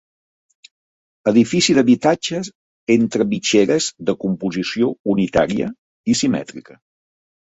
Edifici d'habitatges entre mitgeres de composició unitària, i simètrica.